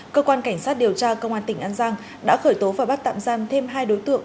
cơ quan cảnh sát điều tra công an tỉnh an giang đã khởi tố và bắt tạm giam thêm hai đối tượng